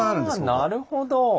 あなるほど。